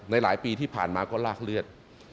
หลายปีที่ผ่านมาก็ลากเลือด